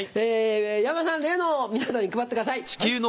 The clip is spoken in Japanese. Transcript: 山田さん例のを皆さんに配ってください。